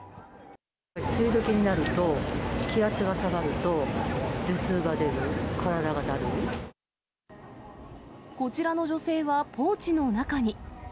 梅雨時になると、気圧が下がこちらの女性はポーチの中に。